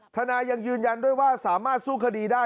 ทนายยังยืนยันด้วยว่าสามารถสู้คดีได้